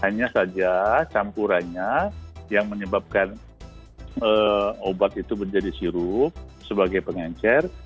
hanya saja campurannya yang menyebabkan obat itu menjadi sirup sebagai pengencer